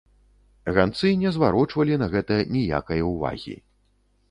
Ганцы не зварочвалі на гэта ніякай увагі.